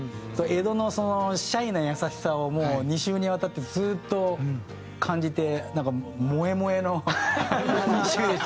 江戸のシャイな優しさをもう２週にわたってずっと感じてなんか萌え萌えの２週でした。